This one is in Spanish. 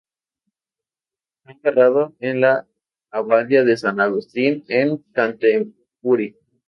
Fue enterrado en la Abadía de San Agustín en Canterbury.